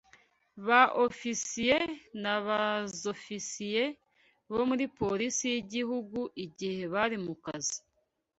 Ba ofisiye na ba suzofisiye bo muri Polisi y'igihugu igihe bari mu kazi